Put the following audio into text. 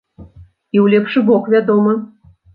І ў лепшы бок, вядома!